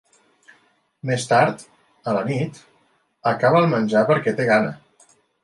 Mes tard, a la nit, acaba el menjar perquè té gana.